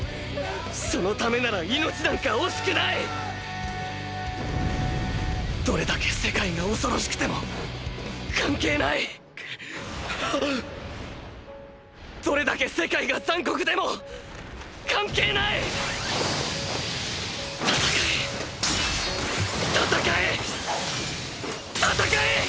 そのためなら命なんか惜しくないどれだけ世界が恐ろしくても関係ないどれだけ世界が残酷でも関係ない戦え！